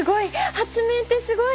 発明ってすごい！